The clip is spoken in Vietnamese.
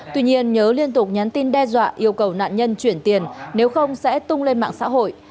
tuy nhiên nhớ liên tục nhắn tin đe dọa yêu cầu nạn nhân chuyển tiền nếu không sẽ tung lên mạng xã hội